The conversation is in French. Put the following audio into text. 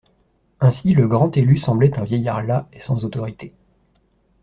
Ainsi le Grand-Élu semblait un vieillard las et sans autorité.